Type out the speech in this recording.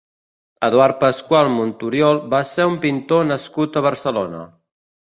Eduard Pascual Monturiol va ser un pintor nascut a Barcelona.